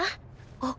あっ。